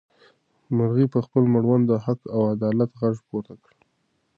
مرغۍ په خپل مړوند د حق او عدالت غږ پورته کړ.